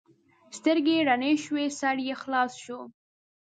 سترګې یې رڼې شوې؛ سر یې خلاص شو.